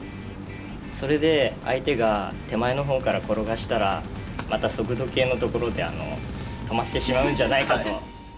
それで相手が手前の方から転がしたらまた速度計の所で止まってしまうんじゃないかと。